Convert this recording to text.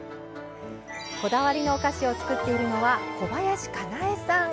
こだわりのお菓子を作っているのは小林かなえさん。